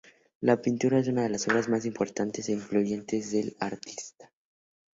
La pintura es una de las obras más importantes e influyentes del artista.